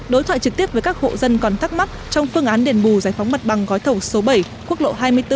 đối thoại trực tiếp với các hộ dân còn thắc mắc trong phương án đền bù giải phóng mặt bằng gói thầu số bảy quốc lộ hai mươi bốn